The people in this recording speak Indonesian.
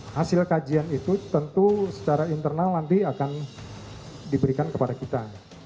hasil kajian itu tentu secara internal nanti akan diberikan kepada kita